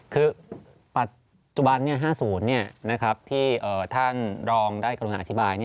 คือปัจจุบัน๕๐ที่ท่านรองได้กรุณาอธิบาย